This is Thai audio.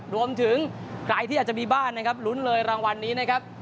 รวมถึงใครที่อาจจะมีบ้านลุ้นเลยรางวัลนี้